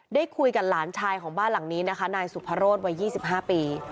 ได้คุยกับหลานชายของบ้านหลังนี้นะคะนายสุภโรธวัย๒๕ปี